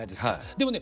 でもね